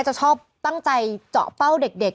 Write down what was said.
จะชอบตั้งใจเจาะเป้าเด็ก